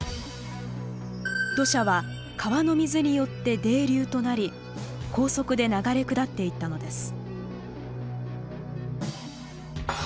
土砂は川の水によって「泥流」となり高速で流れ下っていったのです。